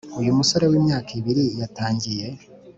Uyu musore w’imyaka ibiri yatangiye